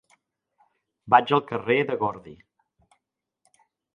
Vaig al carrer de Gordi.